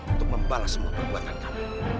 untuk membalas semua perbuatan kami